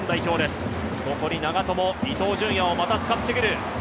ここに長友、伊東純也をまた使ってくる。